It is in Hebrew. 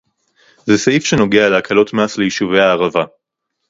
זה סעיף שנוגע להקלות מס ליישובי הערבה